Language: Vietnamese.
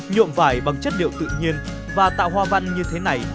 nhộm vải bằng chất điệu tự nhiên và tạo hòa văn như thế này